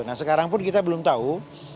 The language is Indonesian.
nah sekarang pun kita bisa menambah nama nama itu